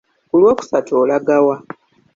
Ku lwokusatu olaga wa?